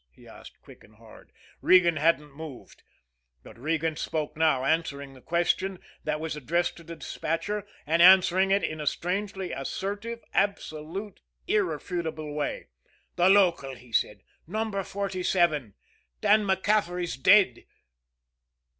he asked, quick and hard. Regan hadn't moved but Regan spoke now, answering the question that was addressed to the despatcher, and answering it in a strangely assertive, absolute, irrefutable way. "The local," he said. "Number Forty seven. Dan MacCaffery's dead."